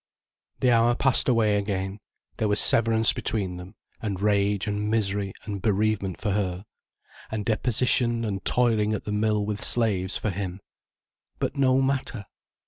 The hour passed away again, there was severance between them, and rage and misery and bereavement for her, and deposition and toiling at the mill with slaves for him. But no matter.